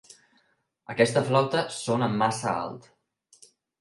Aquesta flauta sona massa alt.